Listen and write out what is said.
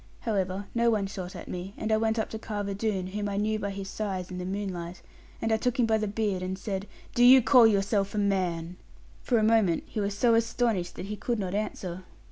However, no one shot at me; and I went up to Carver Doone, whom I knew by his size in the moonlight, and I took him by the beard, and said, 'Do you call yourself a man?' For a moment he was so astonished that he could not answer.